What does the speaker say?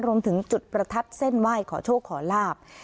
รวมถึงจุดประทัดเส้นไหว้ขอโชคขอลาบ